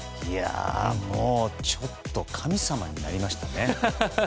もう、ちょっと神様になりましたね。